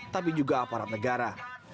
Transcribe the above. tapi juga aparat negara